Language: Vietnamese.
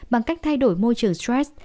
bằng cách thay đổi môi trường stress